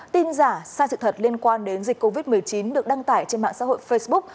tin giả sai sự thật liên quan đến dịch covid một mươi chín được đăng tải trên mạng xã hội facebook